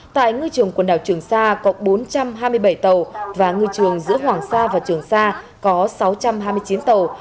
tại ngư trường quần đảo trường sa có bốn trăm hai mươi bảy tàu và ngư trường giữa hoàng sa và trường sa có sáu trăm hai mươi chín tàu